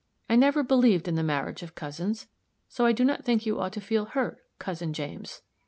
I never believed in the marriage of cousins; so I do not think you ought to feel hurt, cousin James."